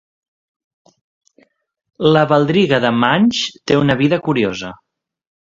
La Baldriga de Manx té una vida curiosa.